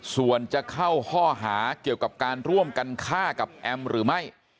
ส่วนจะเข้าข้อหาเกี่ยวกับการร่วมกันฆ่ากับแอมหรือไม่